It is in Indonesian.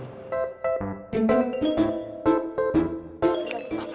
mbak be mbak be